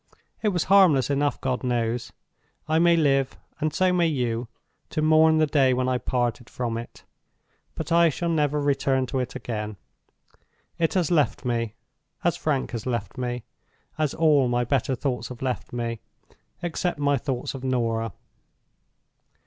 It was harmless enough, God knows—I may live, and so may you, to mourn the day when I parted from it—but I shall never return to it again. It has left me, as Frank has left me, as all my better thoughts have left me except my thoughts of Norah.